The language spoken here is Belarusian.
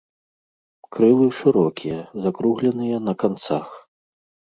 Крылы шырокія, закругленыя на канцах.